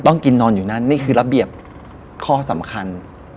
ต้องกินนอนอยู่นั่นนี่คือระเบียบข้อสำคัญ